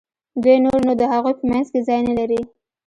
دوی نور نو د هغوی په منځ کې ځای نه لري.